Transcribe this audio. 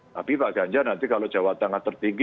tapi pak ganjar nanti kalau jawab tangan tertinggi